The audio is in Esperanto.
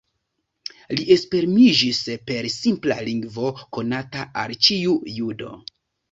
Li esprimiĝis per simpla lingvo, konata al ĉiu judo.